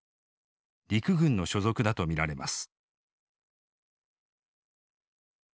陸軍の所属だと見られます。